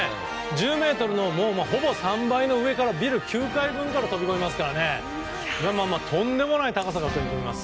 １０ｍのほぼ３倍のビル９階分から飛び込みますからとんでもない高さだと思います。